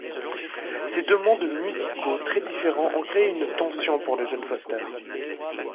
Ces deux mondes musicaux très différents ont créé une tension pour le jeune Foster.